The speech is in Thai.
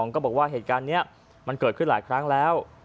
ก็บอกว่าเหตุการณ์นี้มันเกิดขึ้นหลายครั้งแล้ว